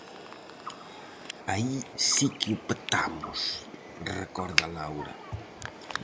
"Aí si que o petamos", recorda Laura.